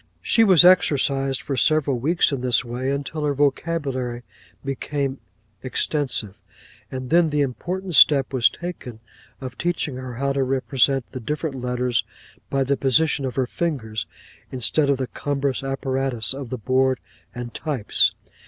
'She was exercised for several weeks in this way, until her vocabulary became extensive; and then the important step was taken of teaching her how to represent the different letters by the position of her fingers, instead of the cumbrous apparatus of the board and types.